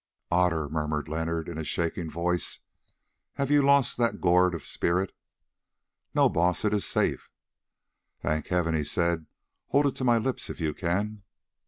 "Otter," murmured Leonard in a shaking voice, "have you lost that gourd of spirit?" "No, Baas, it is safe." "Thank Heaven!" he said; "hold it to my lips if you can."